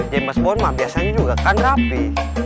james bond mah biasanya juga kan rapi